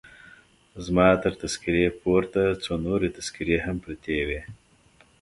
زما تر تذکیرې پورته څو نورې تذکیرې هم پرتې وې.